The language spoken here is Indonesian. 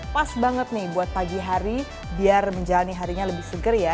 pas banget nih buat pagi hari biar menjalani harinya lebih seger ya